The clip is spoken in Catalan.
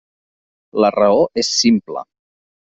La raó és simple.